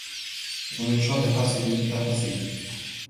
وَمِن شَرِّ حاسِدٍ إِذا حَسَدَ